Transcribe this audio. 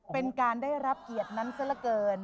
เป็นการได้รับเกียรตินั้นซะละเกิน